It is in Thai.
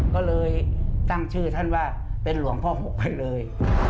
ก็เลยตั้งชื่อท่านว่าเป็นหลวงพ่อ๖ไปเลย